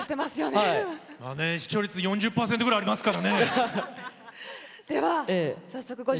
視聴率も４０％ぐらいありますから！